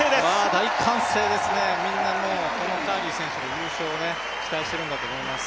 大歓声ですね、みんなもう、このカーリー選手の優勝を期待してるんだと思います。